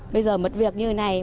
bây giờ mất việc như thế này